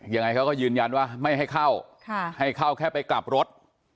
ยังไงเขาก็ยืนยันว่าไม่ให้เข้าให้เข้าแค่ไปกลับรถ